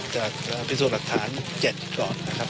จากพิสูจน์หลักฐาน๗ก่อนนะครับ